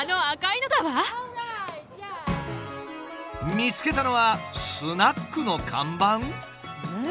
見つけたのはスナックの看板？